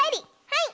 はい！